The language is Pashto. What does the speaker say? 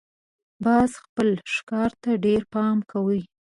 باز خپل ښکار ته ډېر پام کوي